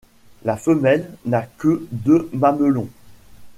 La femelle n'a que deux mamelons.